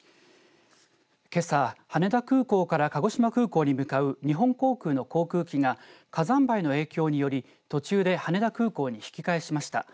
けさ、羽田空港から鹿児島空港に向かう日本空港の航空機が火山灰の影響により途中で羽田空港に引き返しました。